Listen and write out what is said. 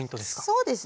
そうですね。